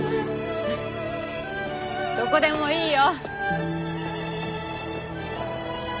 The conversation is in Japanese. フッどこでもいいよ。